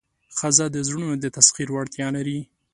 ښځه د زړونو د تسخیر وړتیا لري.